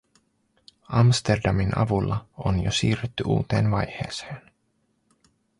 Amsterdamin avulla on jo siirrytty uuteen vaiheeseen.